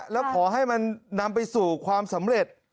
แล้วขอให้มันนำไปสู่ความสำเร็จ